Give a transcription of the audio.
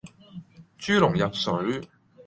豬籠入水